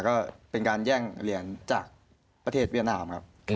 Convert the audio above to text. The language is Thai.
ก็เป็นการแย่งเหรียญจากประเทศเวียดนามครับ